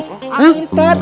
ngapain maling di sini